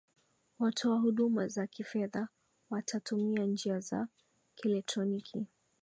watoa huduma za kifedha watatumia njia ya kielektroniki